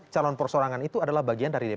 calon persorangan itu adalah bagian dari